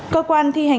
cơ quan thi hạng